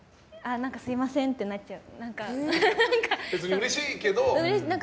何かすみませんってなっちゃう。